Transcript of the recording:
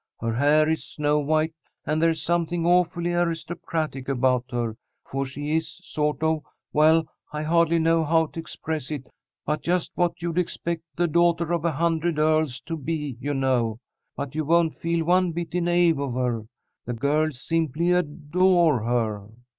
Her hair is snow white, and there's something awfully aristocratic about her, for she is sort of well, I hardly know how to express it, but just what you'd expect the 'daughter of a hundred earls' to be, you know. But you won't feel one bit in awe of her. The girls simply adore her."